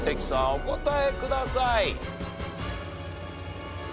お答えください。